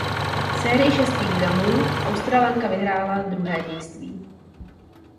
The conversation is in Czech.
Sérii šesti gamů Australanka vyhrála druhé dějství.